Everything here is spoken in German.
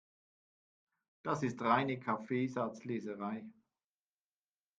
Das ist reine Kaffeesatzleserei.